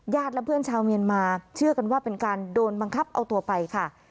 และเพื่อนชาวเมียนมาเชื่อกันว่าเป็นการโดนบังคับเอาตัวไปค่ะ